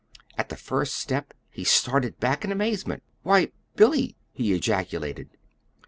At the first step he started back in amazement. "Why, Billy!" he ejaculated.